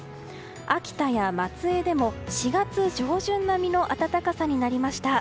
秋田や松江でも４月上旬並みの暖かさになりました。